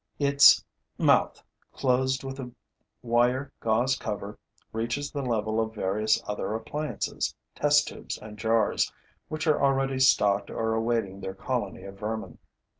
Its mouth, closed with a wire gauze cover, reaches the level of various other appliances, test tubes and jars, which are already stocked or awaiting their colony of vermin.